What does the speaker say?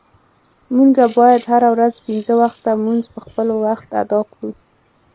مونږه باید هره ورځ پنځه وخته مونز په خپل وخت اداء کړو.